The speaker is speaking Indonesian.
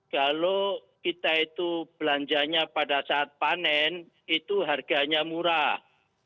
kalau kita itu belanjanya pada saat panen itu harganya murah